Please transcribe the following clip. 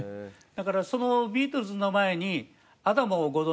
だからそのビートルズの前にアダモをご存じだと思いますが。